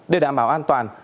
để đảm bảo an toàn